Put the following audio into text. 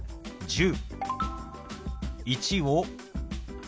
「１０」。